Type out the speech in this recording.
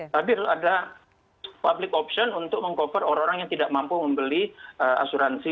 tapi harus ada public option untuk meng cover orang orang yang tidak mampu membeli asuransi